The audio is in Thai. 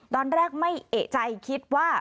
ตอนแรกไม่เอกใจคิดว่า